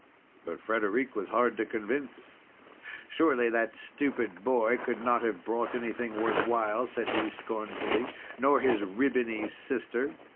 But Frederic was hard to convince. "Surely that stupid boy could not have brought anything worth while," said he scornfully, "nor his ribbony sister!